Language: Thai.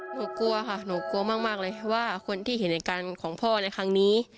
หนูกลัวค่ะหนูกลัวมากเลยว่าคนที่เห็นเหตุการณ์ของพ่อในครั้งนี้